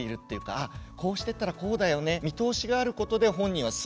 あこうしてったらこうだよね見通しがあることで本人はすごく安心。